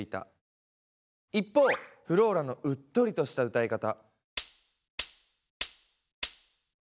一方フローラのうっとりとした歌い方。